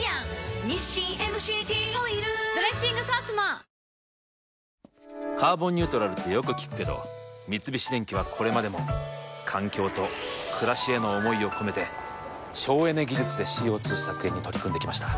午後の紅茶おいしい無糖「カーボンニュートラル」ってよく聞くけど三菱電機はこれまでも環境と暮らしへの思いを込めて省エネ技術でＣＯ２削減に取り組んできました。